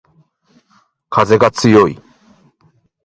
かぜがつよい